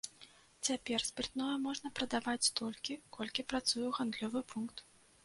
Цяпер спіртное можна прадаваць столькі, колькі працуе гандлёвы пункт.